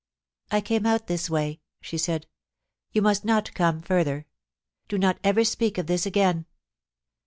* I came out this way,' she said * You must not come further. Do not ever speak of this again.